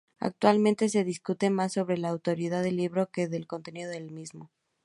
Actualmente, se discute más sobre la autoría del libro que del contenido del mismo.